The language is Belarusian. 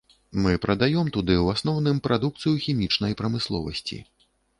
Мы прадаём туды ў асноўным прадукцыю хімічнай прамысловасці.